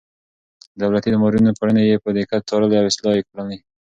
د دولتي مامورينو کړنې يې په دقت څارلې او اصلاح يې کړې.